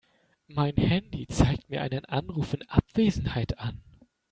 Mein Handy zeigt mir einen Anruf in Abwesenheit an.